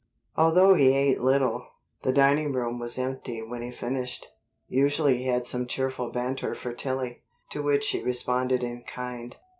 Although he ate little, the dining room was empty when he finished. Usually he had some cheerful banter for Tillie, to which she responded in kind.